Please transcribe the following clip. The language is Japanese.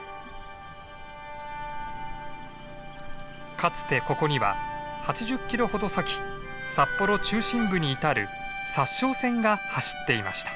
かつてここには８０キロほど先札幌中心部に至る札沼線が走っていました。